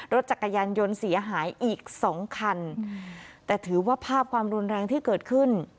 รถจักรยานยนต์เสียหายอีกสองคันแต่ถือว่าภาพความรุนแรงที่เกิดขึ้น